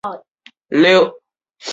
她是村里第一个新娘